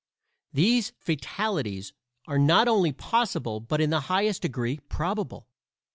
These fatalities are not only possible but in the highest degree probable.